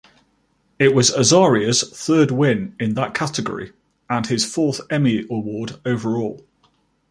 It was Azaria's third win in that category and his fourth Emmy Award overall.